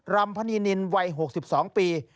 รำพนีนินวัย๖๒ปี